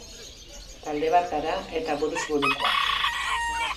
Talde bat gara eta buruz burukoa.